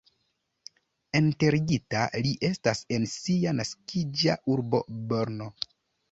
Enterigita li estas en sia naskiĝa urbo Brno.